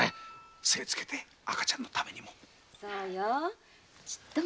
精をつけてな赤ちゃんのためにもな。